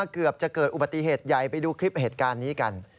เกือบจะเกิดอุบัติเหตุใหญ่ไปดูคลิปเหตุการณ์นี้กัน